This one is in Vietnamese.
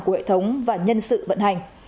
của hệ thống và nhân sự vận hành